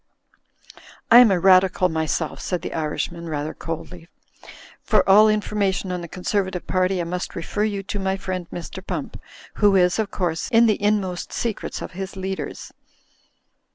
'1 am a Radical myself," said the Irishman, rather coldly, "for all information on the Conservative party I must refer you to my friend, Mr. Pump, who is, of course, in the inmost secrets of his leaders.